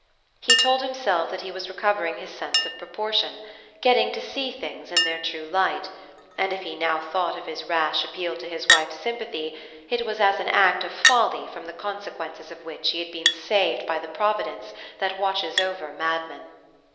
He told himself that he was recovering his sense of proportion, getting to see things in their true light; and if he now thought of his rash appeal to his wife's sympathy it was as an act of folly from the consequences of which he had been saved by the providence that watches over madmen.